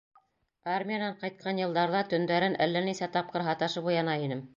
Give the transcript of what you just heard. Армиянан ҡайтҡан йылдарҙа төндәрен әллә нисә тапҡыр һаташып уяна инем.